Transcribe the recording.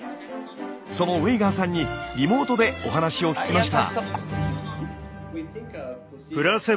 そのウェイガーさんにリモートでお話を聞きました。